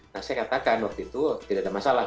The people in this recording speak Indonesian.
nah saya katakan waktu itu tidak ada masalah